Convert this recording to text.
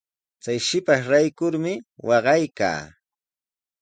Chay shipashraykumi waqaykaa.